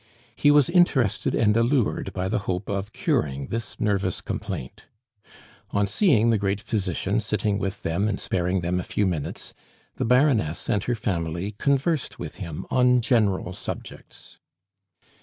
He was interested and allured by the hope of curing this nervous complaint. On seeing the great physician sitting with them and sparing them a few minutes, the Baroness and her family conversed with him on general subjects.